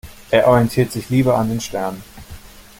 Er orientiert sich lieber an den Sternen.